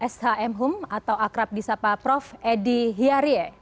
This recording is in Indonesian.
shm hum atau akrab disapa prof edi hiarie